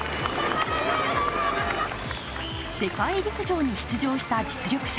世界陸上に出場した実力者